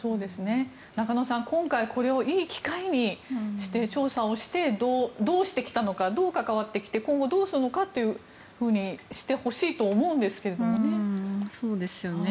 中野さんこれをいい機会にして調査をして、どうしてきたのかどう関わってきて今後どうするのかとしてほしいと思うんですけどね。